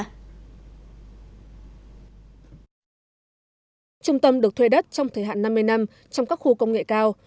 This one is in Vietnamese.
trung tâm được thuê đất trong thời hạn năm mươi năm trong các khu công nghệ cao